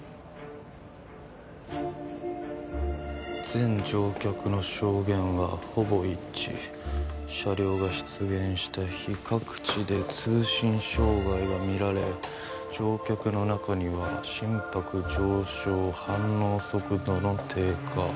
全乗客の証言はほぼ一致車両が出現した日各地で通信障害が見られ乗客の中には心拍上昇反応速度の低下